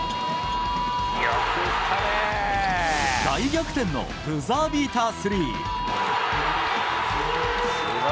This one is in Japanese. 大逆転のブザービータースリー。